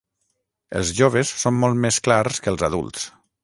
Els joves són molt més clars que els adults.